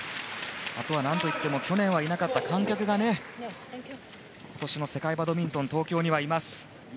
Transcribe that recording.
あとは何といっても去年はいなかった観客が、今年の世界バドミントン東京にはいます。